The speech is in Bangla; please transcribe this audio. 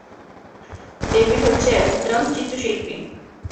ডেভিড হচ্ছেন একজন চিত্রশিল্পী।